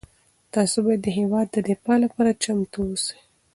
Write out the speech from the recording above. تاسو باید د هېواد د دفاع لپاره چمتو اوسئ.